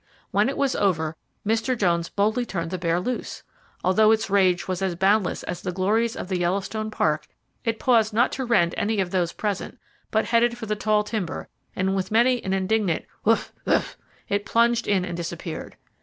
When it was over, Mr. Jones boldly turned the bear loose! Although its rage was as boundless as the glories of the Yellowstone Park, it paused not to rend any of those present, but headed for the tall timber, and with many an indignant "Woof! Woof!" it plunged in and disappeared.